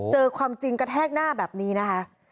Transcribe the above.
เจอความจริงกระแทกหน้าแบบนี้นะคะ